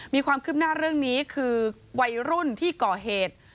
มีความคืบหน้าเรื่องนี้คือวัยรุ่นที่ก่อเหตุ